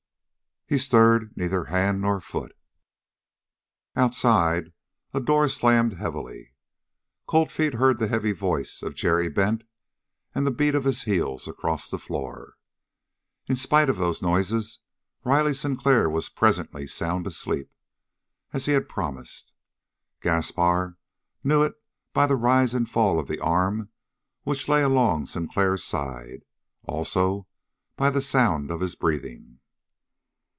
He stirred neither hand nor foot. Outside, a door slammed heavily; Cold Feet heard the heavy voice of Jerry Bent and the beat of his heels across the floor. In spite of those noises Riley Sinclair was presently sound asleep, as he had promised. Gaspar knew it by the rise and fall of the arm which lay along Sinclair's side, also by the sound of his breathing.